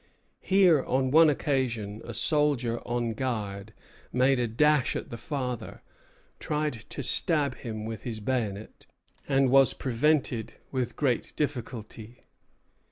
Here on one occasion a soldier on guard made a dash at the father, tried to stab him with his bayonet, and was prevented with great difficulty.